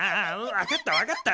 わかったわかった！